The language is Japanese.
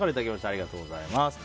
ありがとうございます。